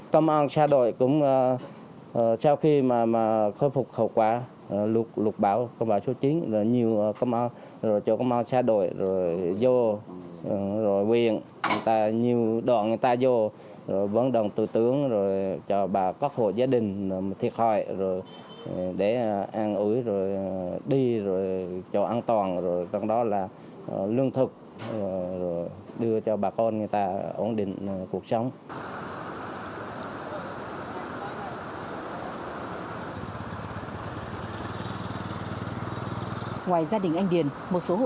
công an xã đội cũng sau khi khôi phục khẩu quả lục bão số chín nhiều công an xã đội vô quyền nhiều đoạn người ta vô vấn đồng tù tướng cho bà có khổ gia đình thiệt hại để an ủi đi cho an toàn trong đó là lương thực đưa cho bà con người ta ổn định